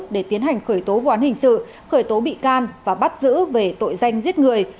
để tiến hành khởi tố vụ án hình sự khởi tố bị can và bắt giữ về tội danh giết người